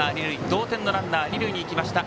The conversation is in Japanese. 同点のランナーが二塁に行きました。